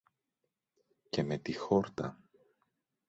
Και με τι χόρτα!